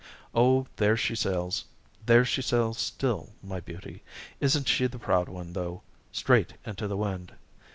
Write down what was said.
"Oh, there she sails there she sails still, my beauty. Isn't she the proud one though straight into the wind!"